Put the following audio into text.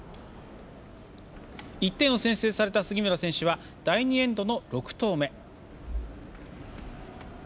１点を先制された杉村選手は第２エンドの６投目。